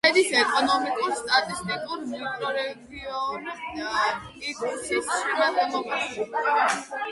შედის ეკონომიკურ-სტატისტიკურ მიკრორეგიონ პიკუსის შემადგენლობაში.